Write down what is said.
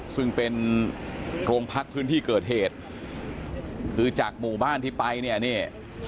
ซึ่งเป็นโรงพักพื้นที่เกิดเหตุคือจากหมู่บ้านที่ไปเนี่ยเนี่ย